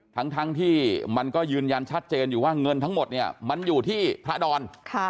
ทั้งที่มันก็ยืนยันชัดเจนอยู่ว่าเงินทั้งหมดเนี่ยมันอยู่ที่พระดอน